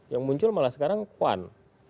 yang muncul malah sekarang puan